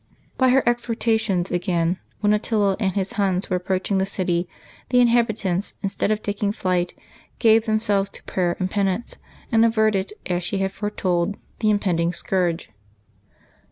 By her exhortations again, when Attila and his Huns were approaching the city, the inhabitants, instead of taking flight, gave themselves to prayer and penance, and averted, as she had foretold, the impending scourge.